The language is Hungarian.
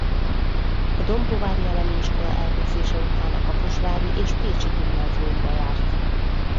A dombóvári elemi iskola elvégzése után a kaposvári és pécsi gimnáziumba járt.